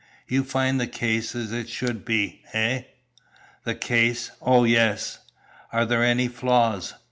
"You find the case as it should be, eh?" "The case! Oh, yes!" "Are there any flaws?"